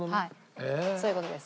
そういう事です。